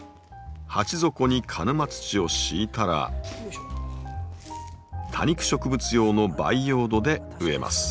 鉢底に鹿沼土を敷いたら多肉植物用の培養土で植えます。